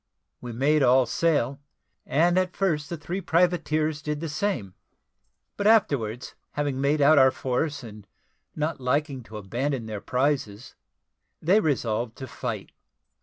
We made all sail, and at first the three privateers did the same; but afterwards, having made out our force, and not liking to abandon their prizes, they resolved to fight.